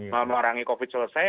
mewarangi covid selesai